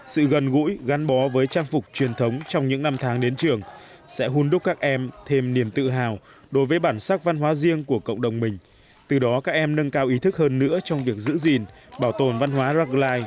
sự gần gũi gắn bó với trang phục truyền thống trong những năm tháng đến trường sẽ hôn đúc các em thêm niềm tự hào đối với bản sắc văn hóa riêng của cộng đồng mình từ đó các em nâng cao ý thức hơn nữa trong việc giữ gìn bảo tồn văn hóa rackline